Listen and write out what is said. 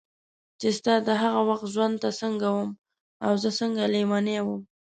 چې ستا د هغه وخت ژوند ته څنګه وې او زه څنګه لیونی وم.